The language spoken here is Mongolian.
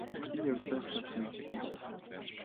энэ явдлаас хойш НЭГ жилийн дараа